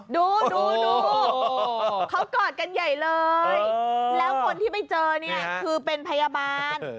ดูดูเขากอดกันใหญ่เลยแล้วคนที่ไปเจอเนี่ยคือเป็นพยาบาล